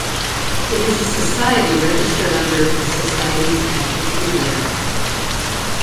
It is a society registered under The Societies Act of India.